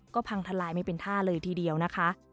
ก็พังทลายไม่เป็นท่าเลยทีเดียวนะคะ